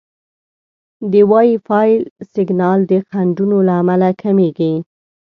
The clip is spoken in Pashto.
د وائی فای سیګنال د خنډونو له امله کمېږي.